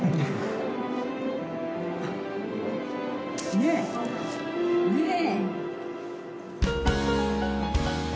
ねえ？ねえ！